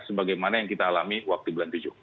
sebagai mana yang kita alami waktu bulan tujuh